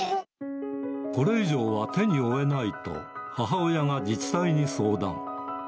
これ以上は手に負えないと、母親が自治体に相談。